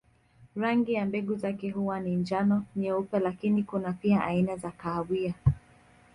Rangi ya mbegu zake huwa ni njano, nyeupe lakini kuna pia aina za kahawia.